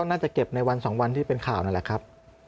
น่าจะเก็บในวัน๒วันที่เป็นข่าวนั่นแหละครับ